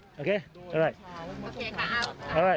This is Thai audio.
โอเคโอเคครับโอเคครับ